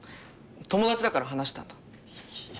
友達だから話したんだ。